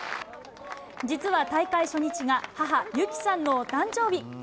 実は大会初日が母、有貴さんのお誕生日。